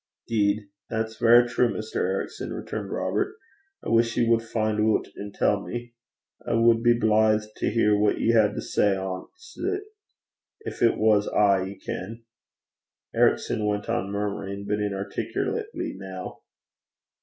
''Deed, that's verra true, Mr. Ericson,' returned Robert. 'I wish ye wad fin' oot an' tell me. I wad be blithe to hear what ye had to say anent it gin it was ay, ye ken.' Ericson went on murmuring, but inarticulately now.